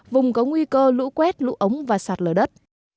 vùng có nguy cơ lũ quét lũ ống và sạt lở đất